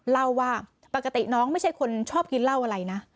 เล่าว่าปกติน้องไม่ใช่คนชอบกินเหล้าอะไรนะ